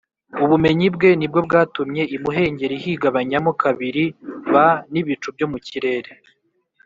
Ubumenyi bwe ni bwo bwatumye imuhengeri higabanyamo kabiri b n ibicu byo mu kirere